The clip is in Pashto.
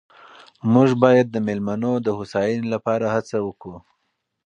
موږ باید د مېلمنو د هوساینې لپاره هڅه وکړو.